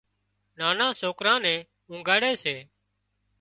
نانان سوڪران نين اونگھاڙي سي